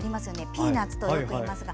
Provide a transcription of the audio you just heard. ピーナツとよくいいますが。